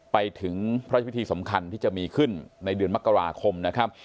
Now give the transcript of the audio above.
ไปถึงพระพิธีสำคัญที่จะมีขึ้นในเดือนมกราคมนะครับ